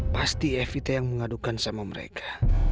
pasti evita yang mengadukan sama mereka